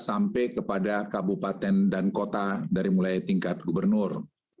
sampai kepada kabupaten dan kota dari mulai tingkat gubernur